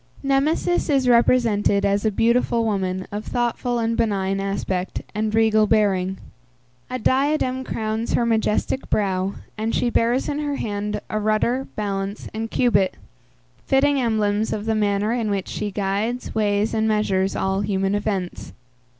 Nemesis is represented as a beautiful woman of thoughtful and benign aspect and regal bearing; a diadem crowns her majestic brow, and she bears in her hand a rudder, balance, and cubit; fitting emblems of the manner in which she guides, weighs, and measures all human events.